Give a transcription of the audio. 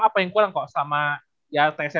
apa yang kurang kok sama ya tesnya